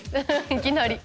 いきなり。